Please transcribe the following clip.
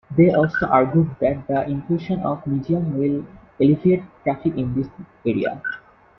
They also argued that the inclusion of Migeum will alleviate traffic in the area.